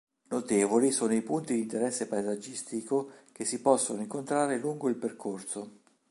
Notevoli sono i punti di interesse paesaggistico che si possono incontrare lungo il percorso.